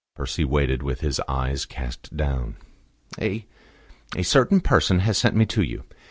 Percy waited with his eyes cast down. "A a certain person has sent me to you.